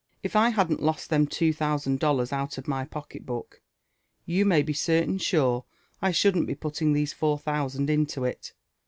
If I hadn't lost (hem two (housand dollars out of my pocket book, you may be certain sure I shouldn't be pulling these four thousand into it.